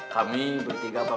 jakob opsi kesempat